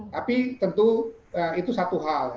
tapi tentu itu satu hal